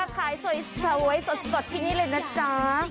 ขายสวยสวยสดสดที่นี่เลยนะจ๊ะ